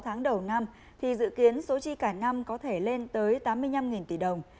tháng đầu năm dự kiến số chi cả năm có thể lên tới tám mươi năm tỷ đồng